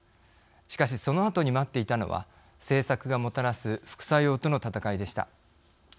しかし、そのあとに待っていたのは政策がもたらす副作用との戦いでした。